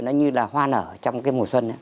nó như là hoa nở trong cái mùa xuân